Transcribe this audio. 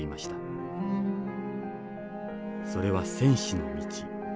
それは戦士の道。